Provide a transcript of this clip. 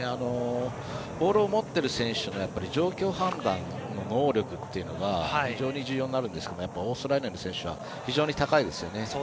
ボールを持っている選手の状況判断の能力というのが非常に重要になるんですがオーストラリアの選手は非常に高いですよね。